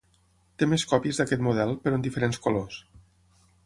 Té més còpies d’aquest model, però en diferents colors.